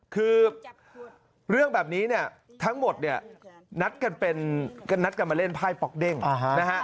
คือเรื่องแบบนี้ทั้งหมดนัดกันมาเล่นไพ่ปลอกเด้งนะฮะ